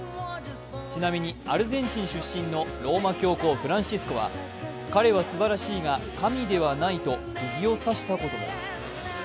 ちなみにアルゼンチン出身のローマ教皇・フランシスコは彼はすばらしいが神ではないと、クギを刺したとも。